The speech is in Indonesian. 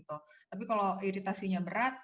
tapi kalau iritasinya berat